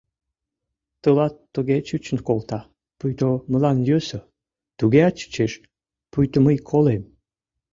- Тылат туге чучын колта, пуйто мылам йӧсӧ... тугеат чучеш, пуйто мый колем.